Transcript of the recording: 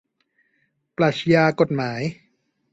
ปรัชญากฎหมาย